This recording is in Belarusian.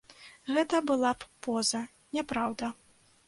Гэта была б поза, няпраўда.